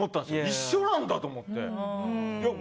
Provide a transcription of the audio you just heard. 一緒だと思って。